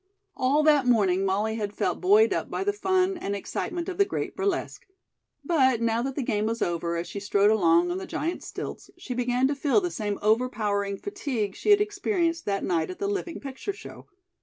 All that morning Molly had felt buoyed up by the fun and excitement of the great burlesque. But, now that the game was over, as she strode along on the giant stilts, she began to feel the same overpowering fatigue she had experienced that night at the living picture show.